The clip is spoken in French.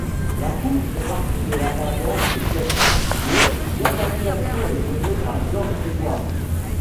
La course fait partie de l'avalanche cup, dont l'organisation est gérée par George Edwards.